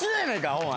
お前。